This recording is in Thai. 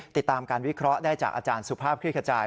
ติดตามการวิเคราะห์ได้จากอาจารย์สุภาพคลิกขจาย